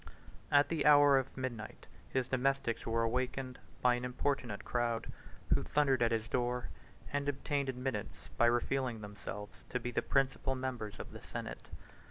2 At the hour of midnight, his domestics were awakened by an importunate crowd, who thundered at his door, and obtained admittance by revealing themselves to be the principal members of the senate.